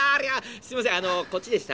すいませんこっちでした」。